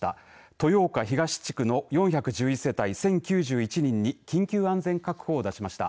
豊岡東地区の４１１世帯１０９１人に緊急安全確保を出しました。